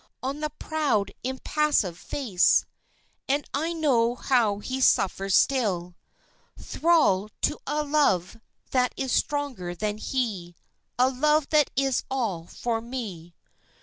On the proud, impassive face And I know how he suffers still Thrall to a love that is stronger than he, A love that is all for me.